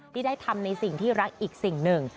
ที่ได้ทำในสิ่งที่รักอีกสิ่งหนึ่ง